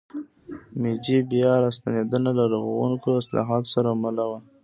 میجي بیا راستنېدنه له رغوونکو اصلاحاتو سره مله وه.